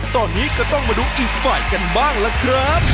ตอนนี้ก็ต้องมาดูอีกฝ่ายกันบ้างล่ะครับ